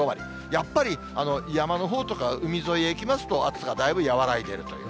やっぱり山のほうとか海沿いへ行きますと、暑さがだいぶ和らいでいるという。